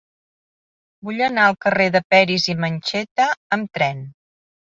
Vull anar al carrer de Peris i Mencheta amb tren.